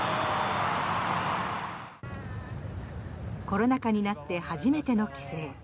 コロナ禍になって初めての帰省。